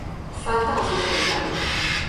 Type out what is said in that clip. Falta a oficialidade.